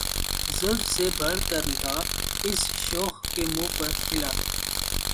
زلف سے بڑھ کر نقاب اس شوخ کے منہ پر کھلا